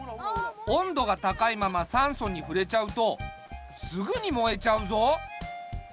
温度が高いまま酸素に触れちゃうとすぐに燃えちゃうぞ。